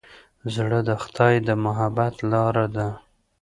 زړه د خدای د محبت لاره ده.